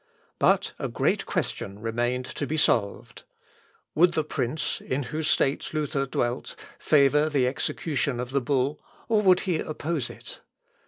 But a great question remained to be solved. Would the prince, in whose states Luther dwelt, favour the execution of the bull, or would he oppose it?